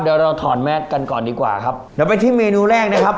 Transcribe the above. เดี๋ยวเราถอดแมทกันก่อนดีกว่าครับเดี๋ยวไปที่เมนูแรกนะครับ